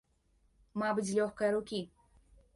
Мабыць, з лёгкае рукі.